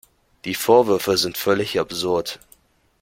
Die Vorwürfe sind völlig absurd.